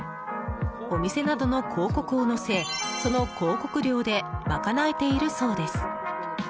お店などの広告を載せその広告料で賄えているそうです。